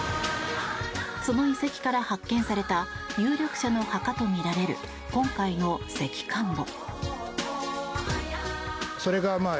その遺跡から発見された有力者の墓とみられる今回の石棺墓。